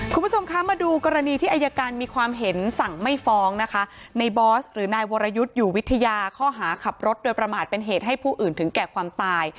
คุณผู้ชมคะมาดูกรณีที่อายการมีความเห็นสั่งไม่ฟ้องนะคะในบอสหรือนายวรยุทธ์อยู่วิทยาข้อหาขับรถโดยประมาทเป็นเหตุให้ผู้อื่นถึงแก่ความตาย